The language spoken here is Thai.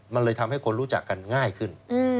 มันเลยทำให้คนรู้จักกันง่ายขึ้น